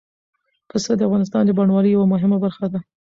پسه د افغانستان د بڼوالۍ یوه مهمه برخه ده.